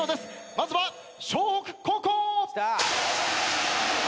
まずは笑北高校！